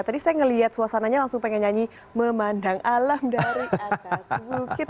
tadi saya melihat suasananya langsung pengen nyanyi memandang alam dari atas bukit